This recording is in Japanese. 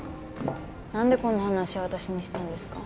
なんでこんな話私にしたんですか？